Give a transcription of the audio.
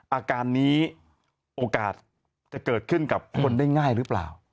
อาการนี้โอกาสจะเกิดขึ้นกับคนได้ง่ายหรือเปล่า